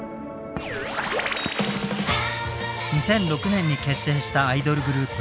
２００６年に結成したアイドルグループ